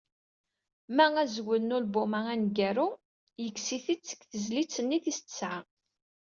Ma azwel n ulbum-a aneggaru, yekkes-it-id seg tezlit-nni tis tesεa.